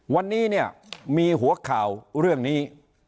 วันนี้เนี่ยมีหัวข่าวเรื่องนี้